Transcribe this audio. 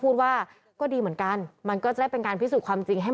คือแม้ว่าจะมีการเลื่อนงานชาวพนักกิจแต่พิธีไว้อาลัยยังมีครบ๓วันเหมือนเดิม